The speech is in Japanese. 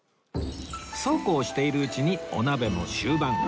そうこうしているうちにお鍋も終盤